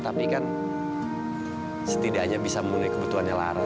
tapi kan setidaknya bisa memenuhi kebutuhannya larut